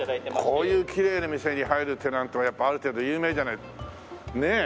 こういうきれいな店に入るテナントはやっぱある程度有名じゃないとねえ。